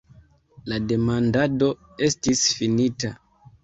La demandado estis finita.